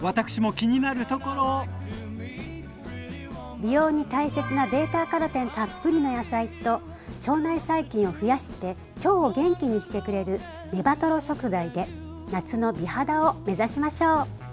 美容に大切なベータカロテンたっぷりの野菜と腸内細菌を増やして腸を元気にしてくれるネバトロ食材で夏の美肌を目指しましょう。